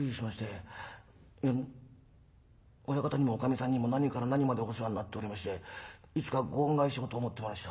いやあの親方にもおかみさんにも何から何までお世話になっておりましていつかご恩返しをと思ってました。